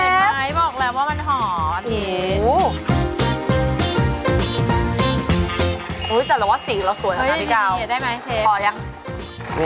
เห็นไหมบอกแล้วว่ามันหอผิว